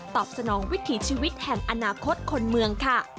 สนองวิถีชีวิตแห่งอนาคตคนเมืองค่ะ